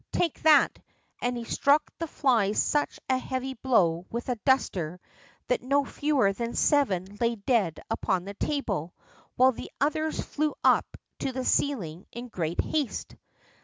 Take that!" and he struck the flies such a heavy blow with a duster that no fewer than seven lay dead upon the table, while the others flew up to the ceiling in great haste.